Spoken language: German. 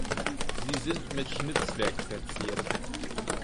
Sie sind mit Schnitzwerk verziert.